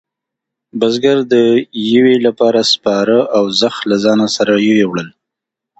بزگر د یویې لپاره سپاره او زخ له ځانه سره وېوړل.